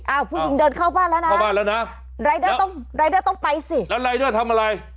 ออผู้หญิงเข้าบ้านแล้วนะดาลิด้าต้องไปสิแล้วอะไรด้วยทำอะไร